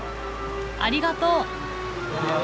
ありがとう。